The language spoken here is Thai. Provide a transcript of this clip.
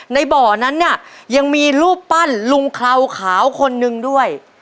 ในบ่อนั้นเนี่ยยังมีรูปปั้นลุงเคราขาวคนนึงด้วย